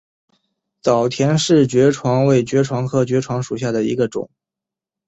早田氏爵床为爵床科爵床属下的一个变种。